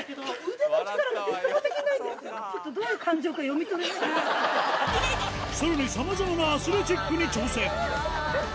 落下さらにさまざまなアスレチックに挑戦